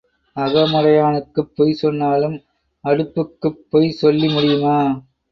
அகமுடையானுக்குப் பொய் சொன்னாலும் அடுப்புக்குப் பொய் சொல்லி முடியுமா?